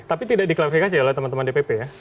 tapi tidak diklarifikasi oleh teman teman dpp ya